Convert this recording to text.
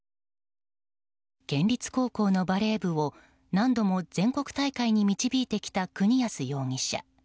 県立高校のバレー部を何度も全国大会に導いてきた国安容疑者。